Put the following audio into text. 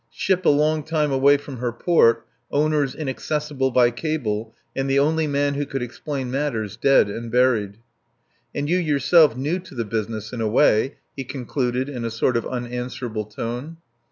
Ship a long time away from her port, owners inaccessible by cable, and the only man who could explain matters dead and buried. "And you yourself new to the business in a way," he concluded in a sort of unanswerable tone.